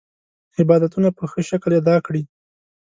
عبادتونه په ښه شکل ادا کړي.